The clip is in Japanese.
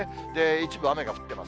一部雨が降っています。